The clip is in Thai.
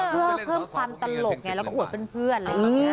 เพื่อเพิ่มความตลกอย่างเนี่ยและห่วนเพื่อน